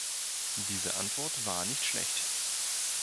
Diese Antwort war nicht schlecht!